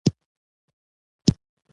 د نندارې او مېلمه ښکلا یې غبرګه کړې.